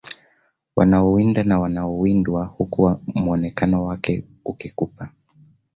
Wanaowinda na wanaowindwa huku muonekano wake ukikupa